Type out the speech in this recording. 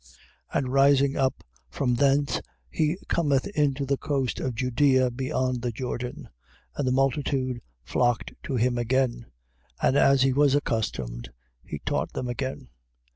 10:1. And rising up from thence, he cometh into the coast of Judea beyond the Jordan: and the multitude flocked to him again. And as he was accustomed, he taught them again.